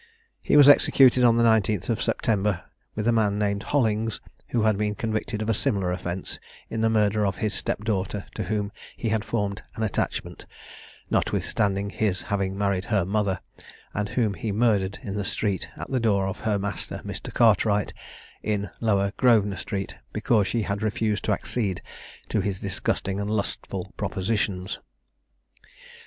He was executed on the 19th September with a man named Hollings, who had been convicted of a similar offence in the murder of his step daughter, to whom he had formed an attachment, notwithstanding his having married her mother; and whom he murdered in the street, at the door of her master, Mr. Cartwright, in Lower Grosvenor Street, because she had refused to accede to his disgusting and lustful propositions.